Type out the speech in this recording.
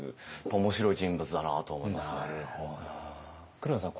黒田さん